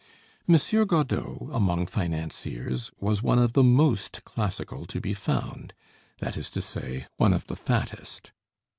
Monsieur Godeau, among financiers, was one of the most classical to be found, that is to say, one of the fattest.